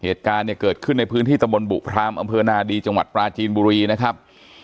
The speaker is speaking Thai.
เหตุการณ์เนี่ยเกิดขึ้นในพื้นที่ตะบนบุพรามอำเภอนาดีจังหวัดปลาจีนบุรีนะครับ